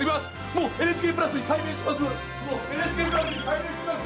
もうＮＨＫプラスに改名しました！